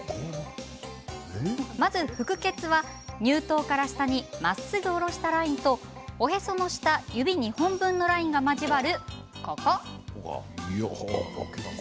腹結とは乳頭から下にまっすぐ下ろしたラインとおへその下、指２本分のラインが交わる、ここ。